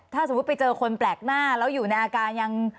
ถ้าสมมุติไปเจอคนแปลกหน้าแล้วอยู่ในอาการยัง